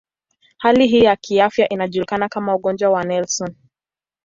Hali hii ya kiafya inajulikana kama ugonjwa wa Nelson.